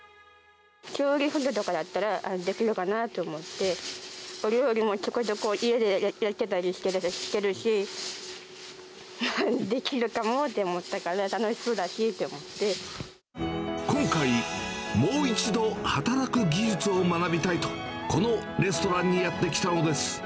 調理補助とかだったら、できるかなぁと思って、お料理もちょこちょこ家でやってたりしてるし、できるかもと思っ今回、もう一度働く技術を学びたいと、このレストランにやって来たのです。